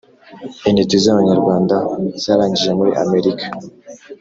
Intiti z’ Abanyarwanda zarangije muri Amerika